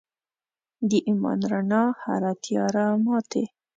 د ایمان رڼا هره تیاره ماتي.